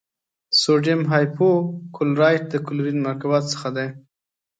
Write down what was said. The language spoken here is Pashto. سوډیم هایپو کلورایټ د کلورین مرکباتو څخه دی.